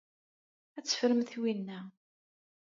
Ad teffremt winna.